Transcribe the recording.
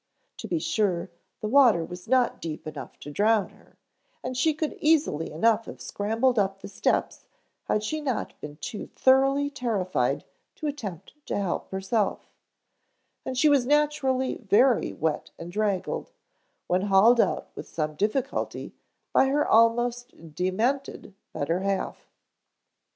To be sure, the water was not deep enough to drown her and she could easily enough have scrambled up the steps had she not been too thoroughly terrified to attempt to help herself, and she was naturally very wet and draggled, when hauled out with some difficulty by her almost demented better half.